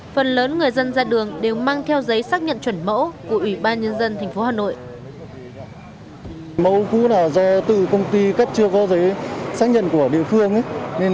phần lớn người dân ra đường đều mang theo giấy xác nhận chuẩn mẫu của ubnd tp hà nội